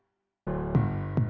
terima kasih banyak ya mbak andin